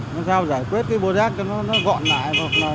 làm sao giải quyết cái bộ rác cho nó gọn lại